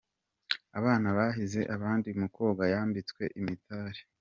Abana bahize abandi mu koga yambitswe imidari.